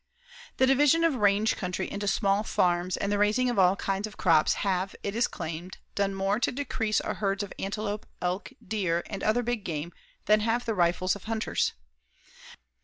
The division of the range country into small farms and the raising of all kinds of crops have, it is claimed, done more to decrease our herds of antelope, elk, deer and other big game than have the rifles of the hunters.